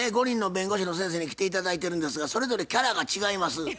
５人の弁護士の先生に来て頂いてるんですがそれぞれキャラが違います。